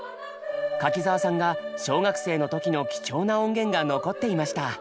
柿澤さんが小学生の時の貴重な音源が残っていました。